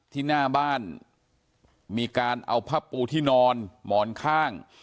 ที่หน้าบ้านมีการเอาผ้าปูที่นอนหมอนข้าง